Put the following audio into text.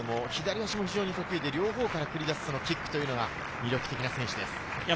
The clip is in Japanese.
左足も得意で両方から繰り出すキックが魅力的な選手です。